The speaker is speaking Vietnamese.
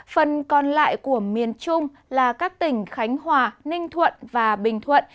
phần còn lại của miền trung là các tỉnh khánh hòa ninh thuận và bình thuận